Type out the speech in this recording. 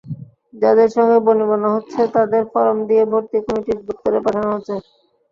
যাদের সঙ্গে বনিবনা হচ্ছে তাদের ফরম দিয়ে ভর্তি কমিটির দপ্তরে পাঠানো হচ্ছে।